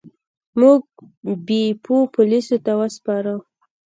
موږ بیپو پولیسو ته وسپاره.